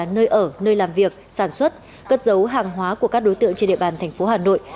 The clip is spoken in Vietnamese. nơi ở nơi làm việc sản xuất cất dấu hàng hóa của các đối tượng trên địa bàn thành phố hà nội